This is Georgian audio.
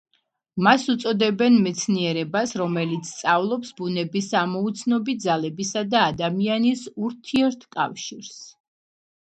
მას უწოდებენ მეცნიერებას რომელიც სწავლობს ბუნების ამოუცნობი ძალებისა და ადამიანის ურთიერთკავშირს.